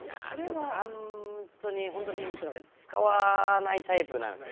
本当に使わないタイプなんです。